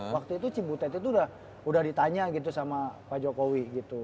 waktu itu cibutet itu udah ditanya gitu sama pak jokowi gitu